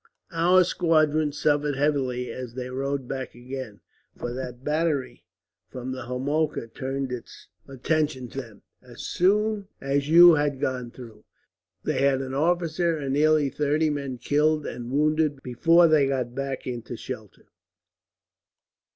"Our squadron suffered heavily as they rode back again, for that battery from the Homolka turned its attention to them, as soon as you had gone through. They had an officer and nearly thirty men killed and wounded before they got back into shelter.